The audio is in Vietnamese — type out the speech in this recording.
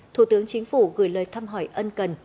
thủ tướng chính phủ gửi lời thăm hỏi ân cần